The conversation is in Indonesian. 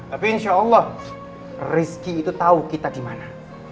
tapi insya allah rezeki itu tahu kita dimana